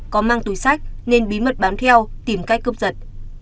có mang túi sách nên bí mật bám theo tìm cách cướp giật